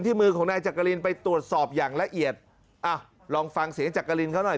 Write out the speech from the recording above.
มือของนายจักรินไปตรวจสอบอย่างละเอียดอ่ะลองฟังเสียงจักรินเขาหน่อย